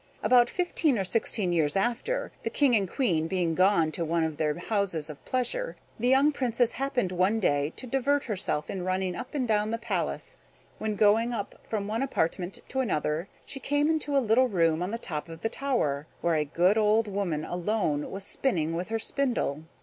About fifteen or sixteen years after, the King and Queen being gone to one of their houses of pleasure, the young Princess happened one day to divert herself in running up and down the palace; when going up from one apartment to another, she came into a little room on the top of the tower, where a good old woman, alone, was spinning with her spindle.